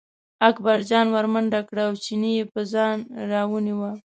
اکبرجان ور منډه کړه او چینی یې په ځان راونیوه.